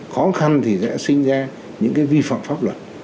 khó khăn thì sẽ sinh ra những cái vi phạm pháp luật